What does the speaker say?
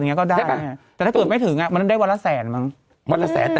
แต่ก็ได้แต่ถ้าเกิดไม่ถึงมันได้วันละแสนมั้งวันละแสนแต่